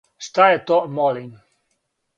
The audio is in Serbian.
Шта је то, молим?